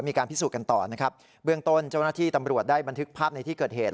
มีการพิสูจน์กันต่อนะครับเบื้องต้นเจ้าหน้าที่ตำรวจได้บันทึกภาพในที่เกิดเหตุ